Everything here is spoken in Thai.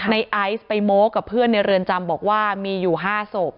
ในไอซ์ไปโม้กับเพื่อนในเรือนจำบอกว่ามีอยู่๕ศพ